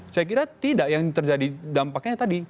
saya kira tidak yang terjadi dampaknya tadi